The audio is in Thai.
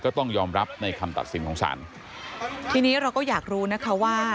ก็ต้องยอมรับในคำตัดสินของศาลทีนี้เราก็อยากรู้นะคะว่า